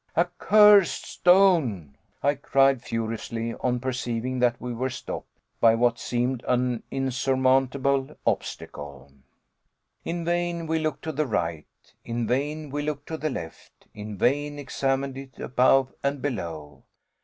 "Accursed stone!" I cried furiously, on perceiving that we were stopped by what seemed an insurmountable obstacle. In vain we looked to the right, in vain we looked to the left; in vain examined it above and below.